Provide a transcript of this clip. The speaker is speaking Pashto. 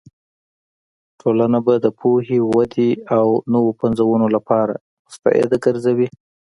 ټولنه به د پوهې، ودې او نوو پنځونو لپاره مستعده ګرځوې.